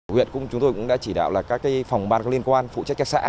huyện cũng chúng tôi cũng đã chỉ đạo là các phòng ban liên quan phụ trách các xã